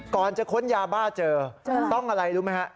ก่อนจะค้นยาบ้าเจอต้องอะไรรู้ไหมฮะ